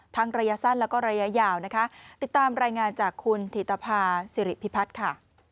ระยะสั้นแล้วก็ระยะยาวนะคะติดตามรายงานจากคุณถิตภาษิริพิพัฒน์ค่ะ